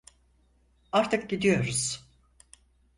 Artık gidiyoruz.